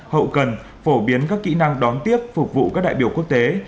hậu cần phổ biến các kỹ năng đón tiếp phục vụ các đại biểu quốc tế